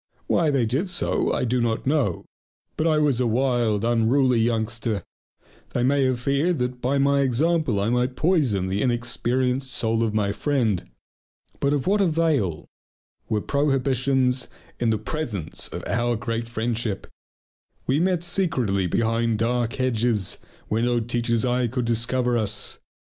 Why they did so I do not know. But I was a wild, unruly youngster; they may have feared that by my example I might poison the inexperienced soul of my friend. But of what avail were prohibitions in the presence of our great friendship! We met secretly behind dark hedges, where no teacher's eyes could discover us.